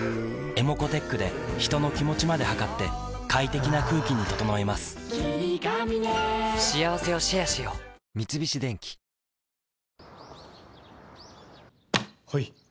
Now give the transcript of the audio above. ｅｍｏｃｏーｔｅｃｈで人の気持ちまで測って快適な空気に整えます三菱電機ほい！